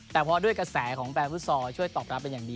แต่พอด้วยกระแสของแฟนฟุตซอลช่วยตอบรับเป็นอย่างดี